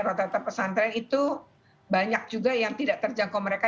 rotator pesantren itu banyak juga yang tidak terjangkau mereka